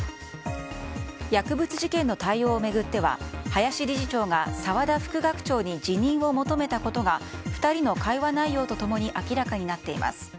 薬物事件の対応を巡っては林理事長が沢田副学長に辞任を求めたことが２人の会話内容と共に明らかになっています。